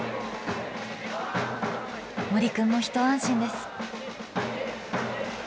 森くんも一安心です。